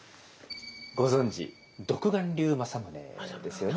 ご存じ独眼竜政宗ですよね。